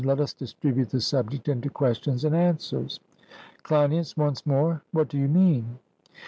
Let us distribute the subject into questions and answers. CLEINIAS: Once more, what do you mean?